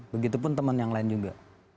begitu pun teman yang lain juga